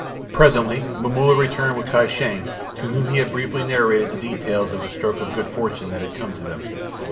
Presently Momulla returned with Kai Shang, to whom he had briefly narrated the details of the stroke of good fortune that had come to them.